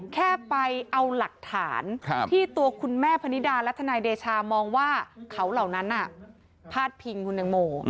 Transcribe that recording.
แค่ไปเอาหลักฐานที่ตัวคุณแม่พนิดาและทนายเดชามองว่าเขาเหล่านั้นพาดพิงคุณตังโม